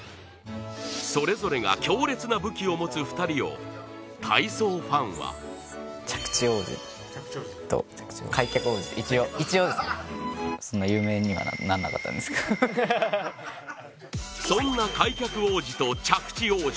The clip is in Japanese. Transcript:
それぞれが強烈な武器を持つ２人を体操ファンはそんな開脚王子と着地王子。